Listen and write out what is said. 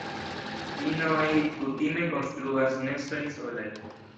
Inoj kutime konstruas nestojn solaj.